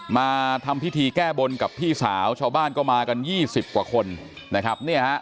มาทำพิธีแก้บนกับพี่สาวชาวบ้านก็มากัน๒๐กว่าคนนะครับเนี่ยฮะ